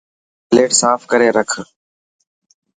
پليٽ صاف ڪري رک.